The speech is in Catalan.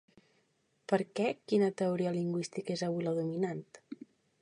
Perquè quina teoria lingüística és avui la dominant?